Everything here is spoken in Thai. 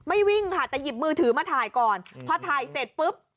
วิ่งค่ะแต่หยิบมือถือมาถ่ายก่อนพอถ่ายเสร็จปุ๊บ